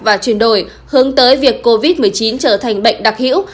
và chuyển đổi hướng tới việc covid một mươi chín trở thành bệnh đặc hữu